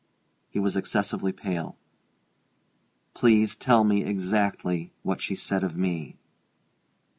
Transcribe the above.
He was excessively pale. "Please tell me exactly what she said of me."